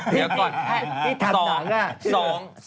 เดี๋ยวก่อนที่ทำหนังอะ